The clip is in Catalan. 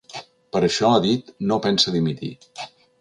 Per això, ha dit, no pensa dimitir.